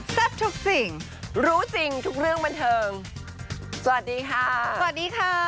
ทุกสิ่งรู้จริงทุกเรื่องบันเทิงสวัสดีค่ะสวัสดีค่ะ